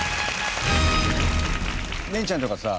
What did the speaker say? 蓮ちゃんとかさ